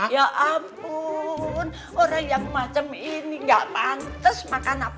ya ampun orang yang macam ini gak pantas makan apa